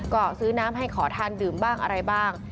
ก็ซื้อน้ำให้ขอทานดื่มบ้างอะไรบ้าง